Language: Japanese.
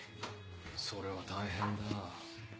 それは大変だ。